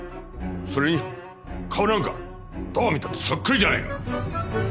それに顔なんかどう見たってそっくりじゃないか！